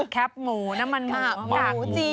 แคปหมูน้ำมันหมู